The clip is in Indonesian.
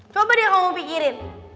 coba deh kamu pikirin